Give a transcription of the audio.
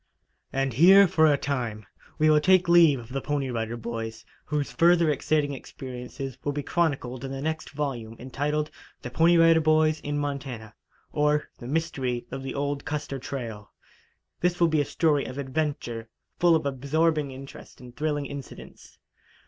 And here for a time we will take leave of the Pony Rider Boys, whose further exciting experiences will be chronicled in the next volume, entitled: "The Pony Rider Boys in Montana; Or, the Mystery of the Old Custer Trail." This will be a story of adventure, full of absorbing interest and thrilling incidents.